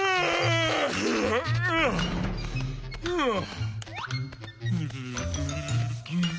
はあ。